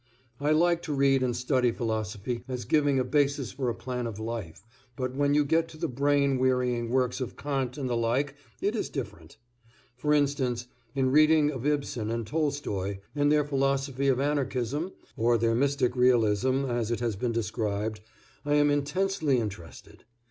I like to read and study philosophy as giving a basis for a plan of life, but when you get to the brain wearying works of Kant and the like it is different. For instance, in reading of Ibsen and Tolstoy and their philosophy of anarchism, or their mystic realism as it has been described, I am intensely interested.